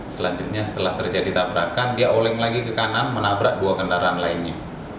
selanjutnya setelah terjadi tabrakan dia oleng lagi ke kanan menabrak dua kendaraan lainnya